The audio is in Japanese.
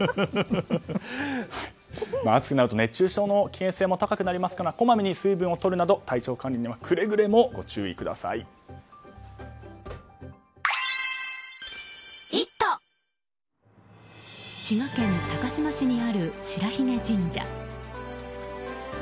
暑くなると熱中症の危険性も高くなりますからこまめに水分を取るなど体調管理には滋賀県高島市にある白髭神社。